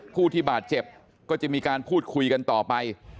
ผู้ที่บาดเจ็บก็จะมีการพูดคุยกันต่อไป